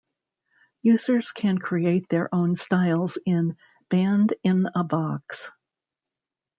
Users can create their own styles in Band-in-a-Box.